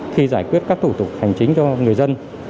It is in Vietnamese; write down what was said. khi giải quyết các thủ tục hành chính cho người dân